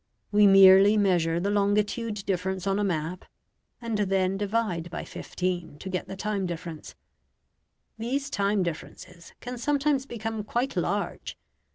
We merely measure the longitude difference on a map, and then divide by 15 to get the time difference. These time differences can sometimes become quite large.